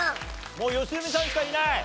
もう良純さんしかいない。